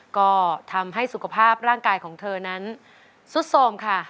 ก็ทำให้สุขภาพร่างกายของเธอนั้นซุดโสมค่ะ